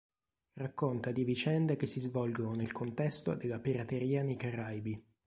Racconta di vicende che si svolgono nel contesto della pirateria nei Caraibi.